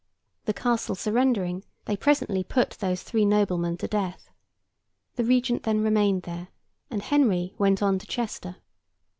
The castle surrendering, they presently put those three noblemen to death. The Regent then remained there, and Henry went on to Chester.